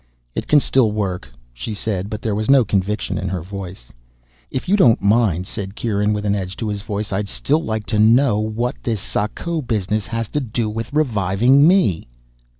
"It can still work," she said, but there was no conviction in her voice. "If you don't mind," said Kieran, with an edge to his voice, "I'd still like to know what this Sako business has to do with reviving me."